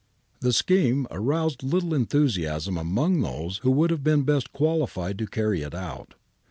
The scheme aroused little enthusiasm among those who would have been best qualified to carry it out.